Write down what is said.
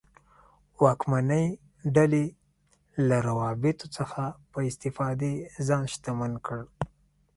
واکمنې ډلې له روابطو څخه په استفادې ځان شتمن کړ.